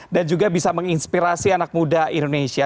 dan juga bisa menginspirasi anak muda indonesia